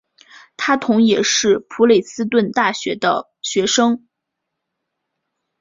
他同时也是普雷斯顿大学的学生。